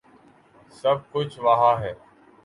سب کچھ وہاں ہے۔